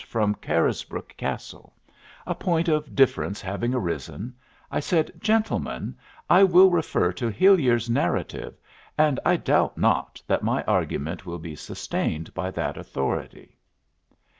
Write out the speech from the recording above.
from Carisbrooke Castle; a point of difference having arisen, I said: "Gentlemen, I will refer to Hillier's 'Narrative,' and I doubt not that my argument will be sustained by that authority."